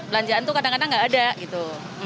belanjaan tuh kadang kadang nggak ada gitu